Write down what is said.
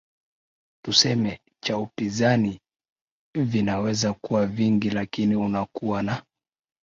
tuseme cha upizani vinaweza kuwa vingi lakini unakua na